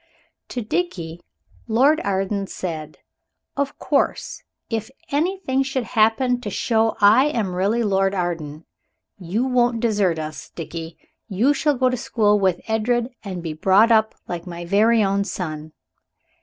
To Dickie Lord Arden said, "Of course, if anything should happen to show that I am really Lord Arden, you won't desert us, Dickie. You shall go to school with Edred and be brought up like my very own son."